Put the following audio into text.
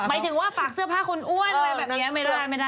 หมายถึงว่าฝากเสื้อผ้าคนอ้วนอะไรแบบนี้ไม่ได้ไม่ได้